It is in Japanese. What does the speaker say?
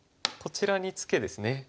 こちらにツケですね。